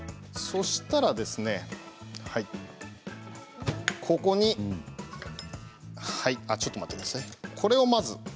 そうしたら、ここにちょっと待ってください。